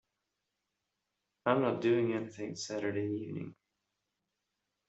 I'm not doing anything Saturday evening.